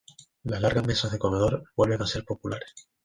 Las largas mesas de comedor vuelven a ser populares.